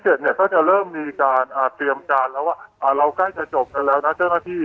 เทอมที่๗ก็จะเริ่มมีการเตรียมการแล้วอะเราใกล้จะจบกันแล้วนะเทอมที่